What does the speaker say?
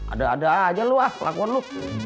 ada ada aja lu lah pelakon lu